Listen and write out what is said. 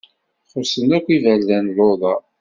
Xuṣṣen akk iberdan luḍa.